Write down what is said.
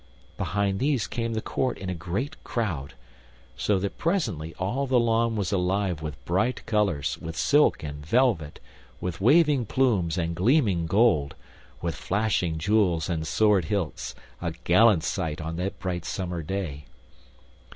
Behind these came the Court in a great crowd, so that presently all the lawn was alive with bright colors, with silk and velvet, with waving plumes and gleaming gold, with flashing jewels and sword hilts; a gallant sight on that bright summer day.